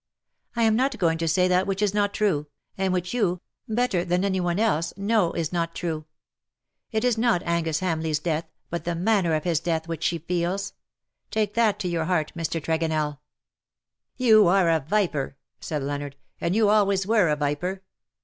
'^ I am not going to say that which is not true ; and which you, better than any one else, know is not true. It is not Angus Hamleigh^s death, but the manner of his death, which she feels. Take that to your heart, Mr. Tregonell." '' You are a viper \" said Leonard, ^^ and you always were a viper.